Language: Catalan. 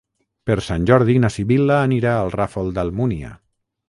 Per Sant Jordi na Sibil·la anirà al Ràfol d'Almúnia.